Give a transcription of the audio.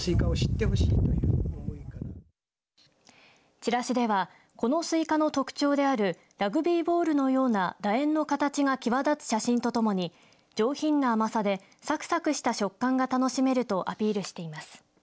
チラシではこのスイカの特徴であるラグビーボールのようなだ円の形が際立つ写真とともに上品な甘さでさくさくした食感が楽しめるとアピールしています。